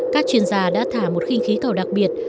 các chuyên gia đã thả một khinh khí cầu đặc biệt